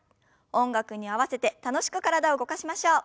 音楽に合わせて楽しく体を動かしましょう。